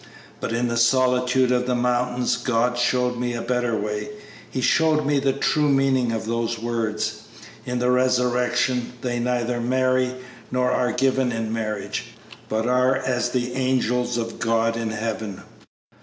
But in the solitude of the mountains God showed me a better way. He showed me the true meaning of those words, 'In the resurrection they neither marry nor are given in marriage, but are as the angels of God in heaven.'